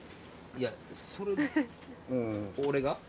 いやそれ俺が？